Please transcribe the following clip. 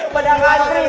pada apa andri ini